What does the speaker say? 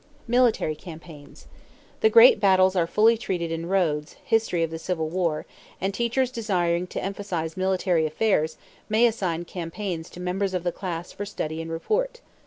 =Military Campaigns.= The great battles are fully treated in Rhodes, History of the Civil War, and teachers desiring to emphasize military affairs may assign campaigns to members of the class for study and report.